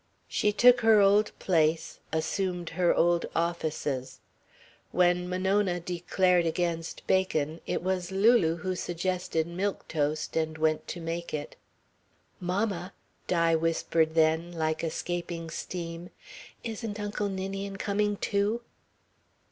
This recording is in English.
She took her old place, assumed her old offices. When Monona declared against bacon, it was Lulu who suggested milk toast and went to make it. "Mamma," Di whispered then, like escaping steam, "isn't Uncle Ninian coming too?"